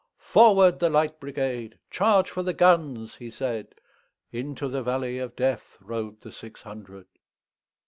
"Forward, the Light Brigade! Charge for the guns!" he said:Into the valley of DeathRode the six hundred.